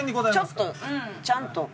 ちょっとちゃんと。